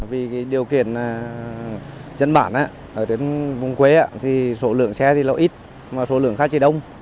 vì điều kiện dân bản ở vùng quế số lượng xe thì lâu ít mà số lượng khách thì đông